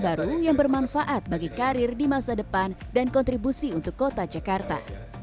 baru yang bermanfaat bagi karir di masa depan dan kontribusi untuk kota jakarta